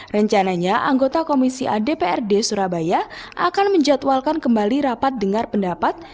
rencananya anggota komisi adprd surabaya akan menjatuhalkan kembali rapat dengar pendapat